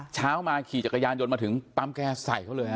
เช้ามาขี่จักรยานยนต์มาถึงปั๊มแกใส่เขาเลยฮ